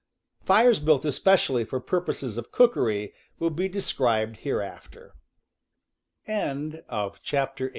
Fires built especially for purposes of cookery will be described hereafter.